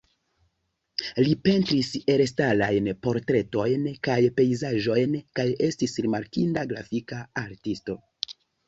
Li pentris elstarajn portretojn kaj pejzaĝojn kaj estis rimarkinda grafika artisto.